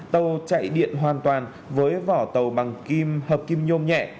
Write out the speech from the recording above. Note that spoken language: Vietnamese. tàu chạy điện hoàn toàn với vỏ tàu bằng kim hợp kim nhôm nhẹ